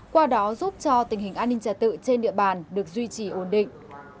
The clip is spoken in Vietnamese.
qua đó giúp cho tình hình an ninh trả tự trên địa bàn được duy trì ổn định